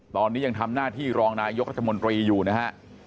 ตอนนี้ยังทำหน้าที่รองนายกรัฐมนตรีอยู่นะฮะ